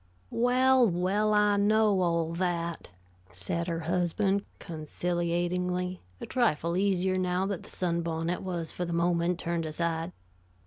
"Well, well, I know all that," said her husband, conciliatingly, a trifle easier now that the sunbonnet was for the moment turned aside.